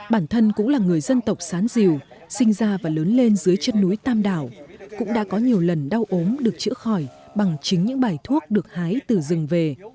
bản thân cũng là người dân tộc sán rìu sinh ra và lớn lên dưới chân núi tam đảo cũng đã có nhiều lần đau ốm được chữa khỏi bằng chính những bài thuốc được hái từ rừng về